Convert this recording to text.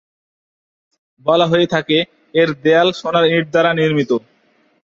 বলা হয়ে থাকে, এর দেয়াল সোনার ইট দ্বারা নির্মিত।